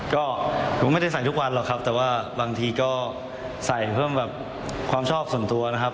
ก็ผมไม่ได้ใส่ทุกวันหรอกครับแต่ว่าบางทีก็ใส่เพิ่มแบบความชอบส่วนตัวนะครับ